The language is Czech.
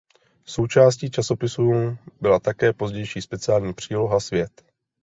Součástí časopisu byla také pozdější speciální příloha "Svět".